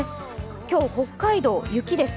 今日、北海道、雪です。